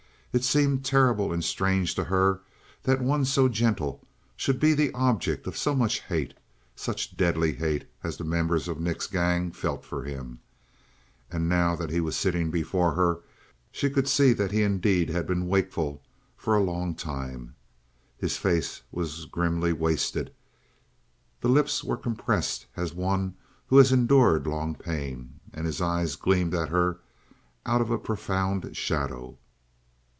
It seemed terrible and strange to her that one so gentle should be the object of so much hate such deadly hate as the members of Nick's gang felt for him. And now that he was sitting before her she could see that he had indeed been wakeful for a long time. His face was grimly wasted; the lips were compressed as one who has endured long pain; and his eyes gleamed at her out of a profound shadow.